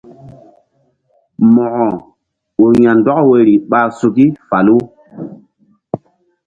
Mo̧ko ur ya̧ndɔk woyri ɓa suki falu.